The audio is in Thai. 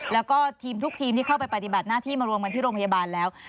แล้วก็ทีมทุกทีมที่เข้าไปปฏิบัติหน้าที่มารวมกันที่โรงพยาบาลแล้ว